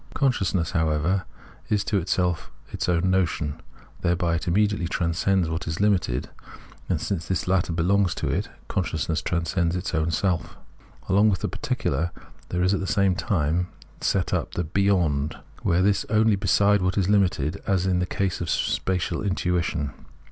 Consciousness, however, is to itself its own notion ; thereby it immediately transcends what is limited, and, since this latter belongs to it, consciousness transcends its own self. Along with the particular there is at the same time set up the " beyond," were this only beside what is limited, as in the case of spatial intuition.